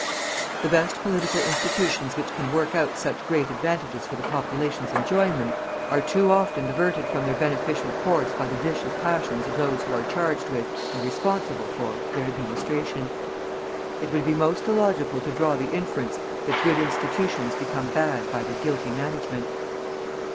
The best political institutions which can work out such great advantages for the populations enjoying them, are too often diverted from their beneficient course by the vicious passions of those who are charged with, and responsible for, their administration. It would be most illogical to draw the inference that good institutions become bad by their guilty management.